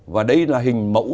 và đây là hình mẫu